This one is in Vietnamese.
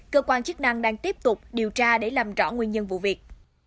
cơ quan chức năng đang tiếp tục điều tra để làm rõ nguyên nhân vụ việc